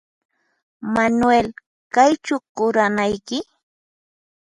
Manuel ¿Kaychu quranayki?